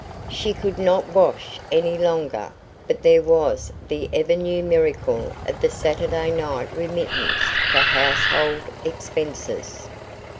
She could not wash any longer, but there was the ever new miracle of the Saturday night remittance for household expenses.